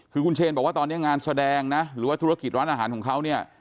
คือคุณเชนบอกว่าตอนนี้งานแสดงนะหรือว่าธุรกิจร้านอาหารของเขาเนี่ย